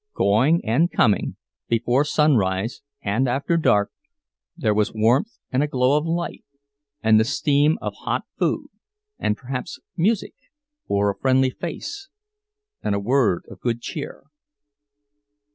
Going and coming—before sunrise and after dark—there was warmth and a glow of light, and the steam of hot food, and perhaps music, or a friendly face, and a word of good cheer.